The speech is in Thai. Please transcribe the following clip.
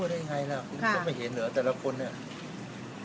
รั่วได้ยังไงล่ะคุณก็ไม่เห็นเหรอแต่ละคนน่ะ